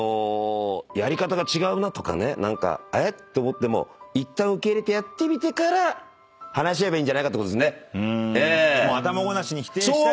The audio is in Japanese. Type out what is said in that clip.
やり方が違うなとかねえっ⁉と思ってもいったん受け入れてやってみてから話し合えばいいんじゃないかってことですね。